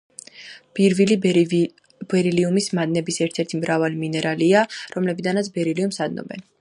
ბივრილი ბერილიუმის მადნების ერთ-ერთი მთავარი მინერალია, რომლებიდანაც ბერილიუმს ადნობენ.